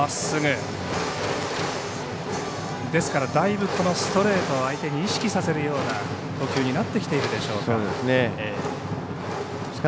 だいぶストレートを相手に意識させるような投球になってきているでしょうか。